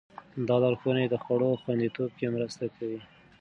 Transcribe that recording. دا لارښوونې د خوړو خوندیتوب کې مرسته کوي.